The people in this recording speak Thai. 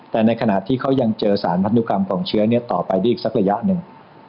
แต่ในขณะที่เขายังเจอสารพันธุกรรมของเชื้อต่อไปได้อีกสักระยะหนึ่ง